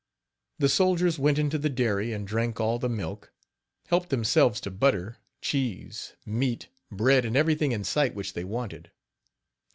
The soldiers went into the dairy and drank all the milk, helped themselves to butter, cheese, meat, bread and everything in sight which they wanted.